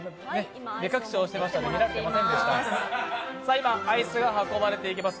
今、アイスが運ばれていきます。